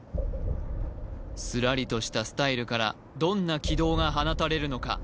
スラリとしたスタイルからどんな軌道が放たれるのか？